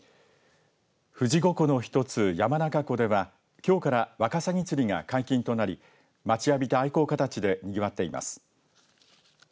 富士五湖の１つ山中湖ではきょうからわかさぎ釣りが解禁となり待ちわびた愛好家たちでにぎわっています。